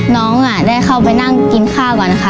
น้องได้เข้าไปนั่งกินข้าวก่อนค่ะ